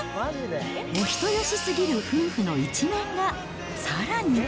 お人よしすぎる夫婦の一面が、さらに。